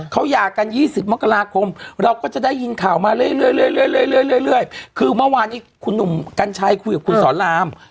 เขาหย่ากัน๒๐มกราคมเราก็จะได้ยินข่าวมาเรื่อยคือเมื่อวานนี้คุณหนุ่มกัญชัยคุยกับคุณสอนราม